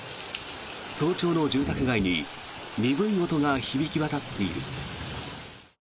早朝の住宅街に鈍い音が響き渡っている。